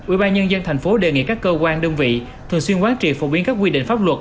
ubnd tp đề nghị các cơ quan đơn vị thường xuyên quán trị phổ biến các quy định pháp luật